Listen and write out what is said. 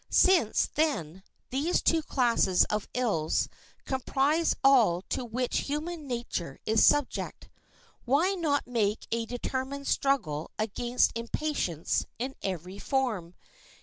Since, then, these two classes of ills comprise all to which human nature is subject, why not make a determined struggle against impatience in every form?